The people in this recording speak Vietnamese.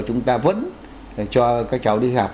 chúng ta vẫn cho các cháu đi học